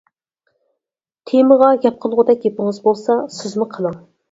تېمىغا گەپ قىلغۇدەك گېپىڭىز بولسا سىزمۇ قىلىڭ.